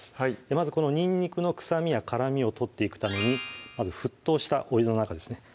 まずこのにんにくの臭みや辛みを取っていくためにまず沸騰したお湯の中ですね